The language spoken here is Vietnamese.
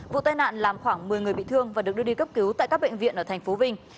vụ tai nạn làm khoảng một mươi người bị thương và được đưa đi cấp cứu tại các bệnh viện ở thành phố vinh